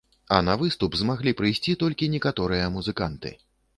А на выступ змаглі прыйсці толькі некаторыя музыканты.